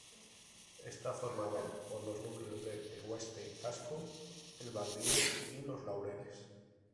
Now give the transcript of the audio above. Está formado por los núcleos de Tegueste Casco, El Baldío y Los Laureles.